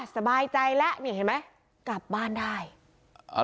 สบายใจแล้วนี่เห็นไหมกลับบ้านได้อ่า